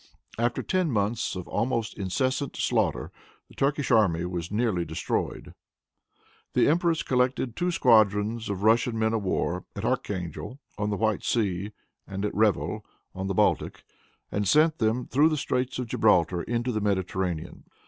After ten months of almost incessant slaughter, the Turkish army was nearly destroyed. The empress collected two squadrons of Russian men of war at Archangel on the White Sea, and at Revel on the Baltic, and sent them through the straits of Gibraltar into the Mediterranean.